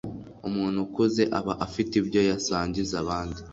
Umuntu ukuze aba afite ibyo yasangiza abandi